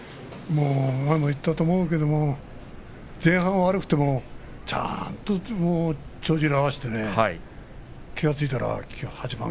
前にも言ったと思うんだけども前半悪くてもちゃんと帳尻を合わせて気がついたら８番、